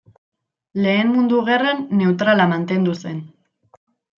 Lehen Mundu Gerran neutrala mantendu zen.